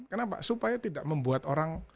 kenapa supaya tidak membuat orang